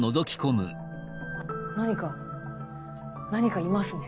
何か何かいますね。